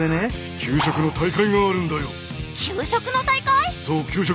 給食の大会！